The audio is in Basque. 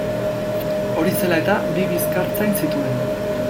Hori zela eta, bi bizkartzain zituen.